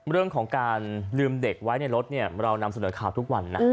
เรื่องของการลืมเด็กไว้ในรถเรานำเสนอข่าวทุกวันนะ